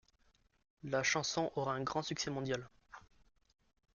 La chanson aura un grand succès mondial.